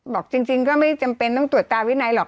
บอกจริงก็ไม่จำเป็นต้องตรวจตาวินัยหรอก